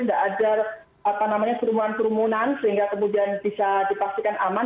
tidak ada kerumunan kerumunan sehingga kemudian bisa dipastikan aman